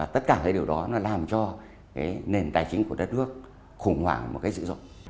tất cả điều đó làm cho nền tài chính của đất nước khủng hoảng dữ dội